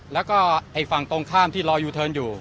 แล้วก็ไอ้ฝั่งตรงข้ามที่รอยูเทิร์นอยู่